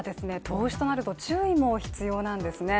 投資となると注意も必要なんですね。